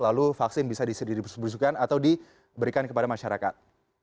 lalu vaksin bisa distribusikan atau diberikan kepada masyarakat